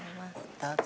どうぞ。